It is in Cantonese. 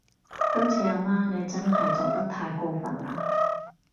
今次阿媽你真係做得太過份喇